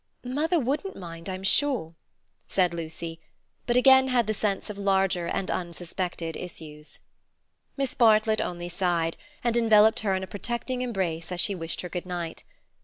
"Mother wouldn't mind I'm sure," said Lucy, but again had the sense of larger and unsuspected issues. Miss Bartlett only sighed, and enveloped her in a protecting embrace as she wished her good night.